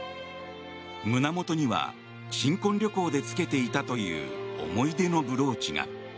胸元には新婚旅行でつけていたという思い出のブローチが。